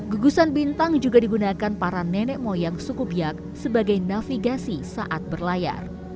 gugusan bintang juga digunakan para nenek moyang suku biak sebagai navigasi saat berlayar